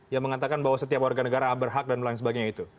yang mengatakan bahwa setiap warga negara berhak dan lain sebagainya itu